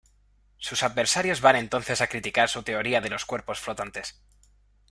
Sus adversarios van entonces a criticar su teoría de los cuerpos flotantes.